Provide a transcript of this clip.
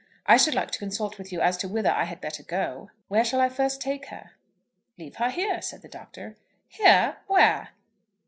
I should like to consult with you as to whither I had better go. Where shall I first take her?" "Leave her here," said the Doctor. "Here! Where?"